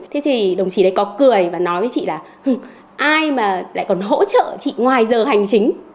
thế thì đồng chí đấy có cười và nói với chị là ai mà lại còn hỗ trợ chị ngoài giờ hành chính